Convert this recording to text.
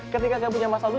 ketika gak punya masalah itu